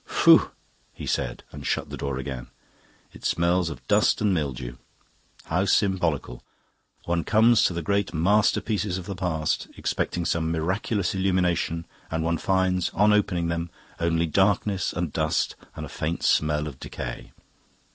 "Phooh!" he said, and shut the door again. "It smells of dust and mildew. How symbolical! One comes to the great masterpieces of the past, expecting some miraculous illumination, and one finds, on opening them, only darkness and dust and a faint smell of decay.